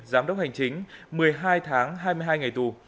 giám đốc hành chính một mươi hai tháng hai mươi hai ngày tù